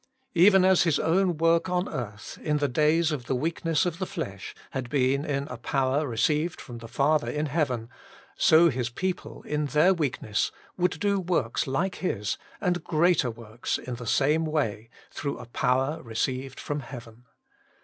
Even as His own work on earth, in the days of the weakness of the flesh, had been in a power received from the Father in heaven, so His people, in their weakness, would do works like His, and greater works in the same way, through a power received from heaven.